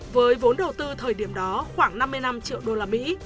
với vốn đầu tư thời điểm đó khoảng năm mươi năm triệu usd